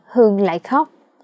hương lại khóc